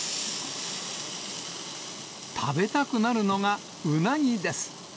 食べたくなるのがウナギです。